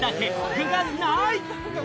具がない！